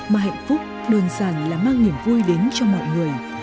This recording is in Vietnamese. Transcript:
mà hạnh phúc đơn giản là mang niềm vui đến cho mọi người